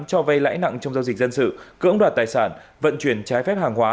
cho vay lãi nặng trong giao dịch dân sự cưỡng đoạt tài sản vận chuyển trái phép hàng hóa